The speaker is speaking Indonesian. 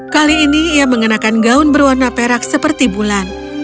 kali ini ia mengenakan gaun berwarna perak seperti bulan